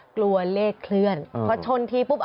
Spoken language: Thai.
กลัวเลขเคลื่อนพอชนทีปุ๊บ